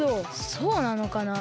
そうなのかなあ。